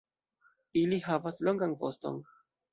Ili havas longan voston.